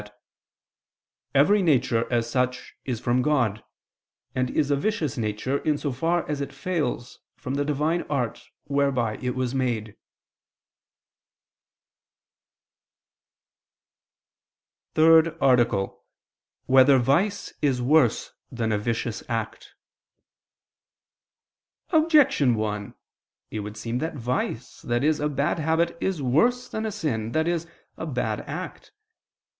iii, 6) that "every nature, as such, is from God; and is a vicious nature, in so far as it fails from the Divine art whereby it was made." ________________________ THIRD ARTICLE [I II, Q. 71, Art. 3] Whether Vice Is Worse Than a Vicious Act? Objection 1: It would seem that vice, i.e. a bad habit, is worse than a sin, i.e. a bad act.